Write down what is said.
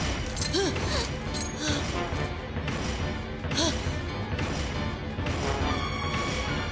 あっ。